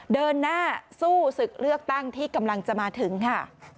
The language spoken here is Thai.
เดินหน้าสู้ศึกเลือกตั้งที่กำลังจะมาถึงค่ะ